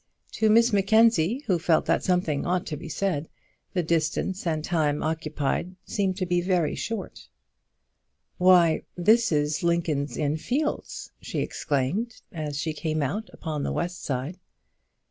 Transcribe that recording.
To Miss Mackenzie, who felt that something ought to be said, the distance and time occupied seemed to be very short. "Why, this is Lincoln's Inn Fields!" she exclaimed, as she came out upon the west side.